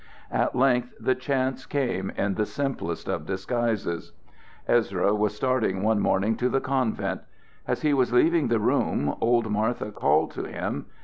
At length the chance came in the simplest of disguises. Ezra was starting one morning to the convent. As he was leaving the room, old Martha called to him.